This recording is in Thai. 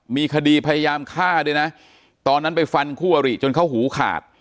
มีคดีพยายามฆ่าด้วยนะตอนนั้นไปฟันคู่อริจนเขาหูขาด